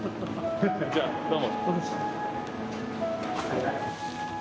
じゃあどうも。